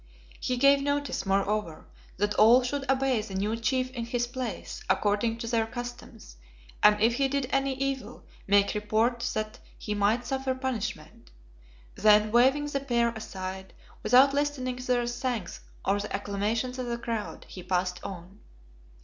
He gave notice, moreover, that all should obey the new chief in his place, according to their customs, and if he did any evil, make report that he might suffer punishment. Then waving the pair aside, without listening to their thanks or the acclamations of the crowd, he passed on.